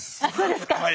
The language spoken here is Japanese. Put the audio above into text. あそうですか。